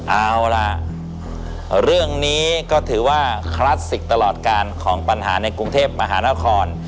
เอาล่ะเรื่องนี้ก็ถือว่าคลาสสิกตลอดการของปัญหาในกรุงเทพมหานคร